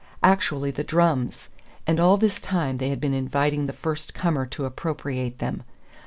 Actually, the drums! And all this time they had been inviting the first comer to appropriate them.